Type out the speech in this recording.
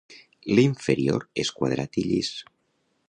L'inferior és quadrat i llis.